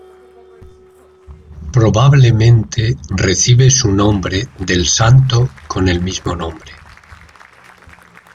Probablemente recibe su nombre del santo con el mismo nombre.